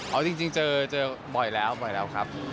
เอาจริงเจอบ่อยแล้วครับ